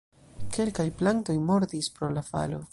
Kelkaj plantoj mortis pro la falo.